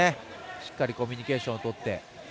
しっかりコミュニケーションをとって。